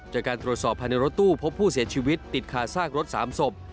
จากการตรวจสอบภายในรถตู้พบผู้เสียชีวิตติดคาซากรถ๓ศพ